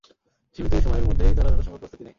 সীমিত এ সময়ের মধ্যেই তারা যথাসম্ভব প্রস্তুতি নেয়।